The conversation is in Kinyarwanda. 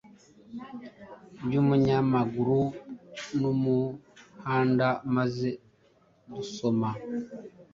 by’umunyamaguru n’umuhanda maze dusoma